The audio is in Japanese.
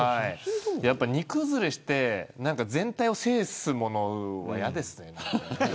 煮崩れして全体を制すものは嫌ですね。